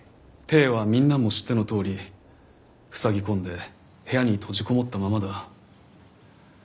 悌はみんなも知ってのとおり塞ぎ込んで部屋に閉じこもったままだ。